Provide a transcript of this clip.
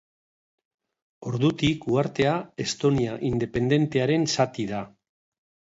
Ordutik, uhartea, Estonia independentearen zati da.